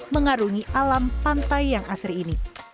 mengarungi alam pantai yang asri ini